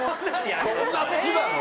そんな好きなの？